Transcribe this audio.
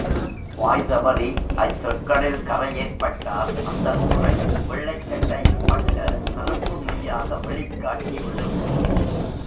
வாய்தவறி அச்சொற்களில் கறை ஏற்பட்டால் அந்தக் குறை வெள்ளைச் சட்டையில் பட்ட கறுப்பு மையாக வெளிக்காட்டி விடும்.